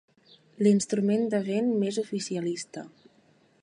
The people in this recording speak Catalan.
L'instrument de vent més oficialista.